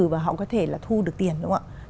và họ có thể là thu được tiền đúng không ạ